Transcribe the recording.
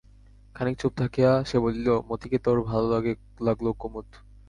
খানিক চুপ করিয়া থাকিয়া সে বলিল, মতিকে তোর ভালো লাগল কুমুদ!